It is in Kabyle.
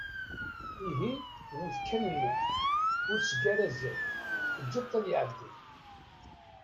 Ihi, wwet kan nnaḥ, ur s-ggar azal, teǧǧeḍ-t ad iɛeddi!